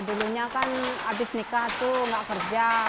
ya dulunya kan habis nikah tuh gak kerja